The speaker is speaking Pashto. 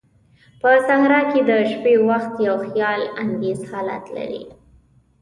په صحراء کې د شپې وخت یو خیال انگیز حالت لري.